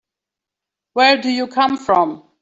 Where do you come from?